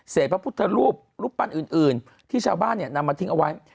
พระพุทธรูปรูปปั้นอื่นที่ชาวบ้านนำมาทิ้งเอาไว้